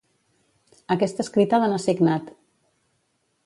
Aquest escrit ha d'anar signat.